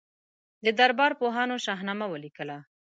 د دربار پوهانو شاهنامه ولیکله.